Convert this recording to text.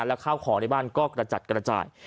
แล้วข้าวของในบ้านก็กระจัดกระจาย